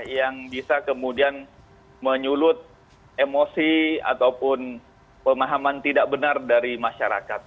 yang bisa kemudian menyulut emosi ataupun pemahaman tidak benar dari masyarakat